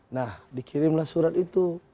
nah dikirimlah surat itu